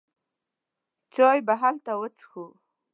چای به هلته وڅښو.